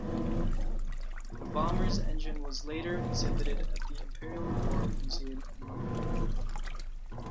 The bomber's engine was later exhibited at the Imperial War Museum in London.